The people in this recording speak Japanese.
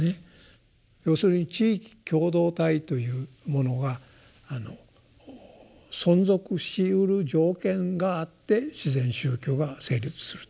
要するに地域共同体というものが存続しうる条件があって自然宗教が成立すると。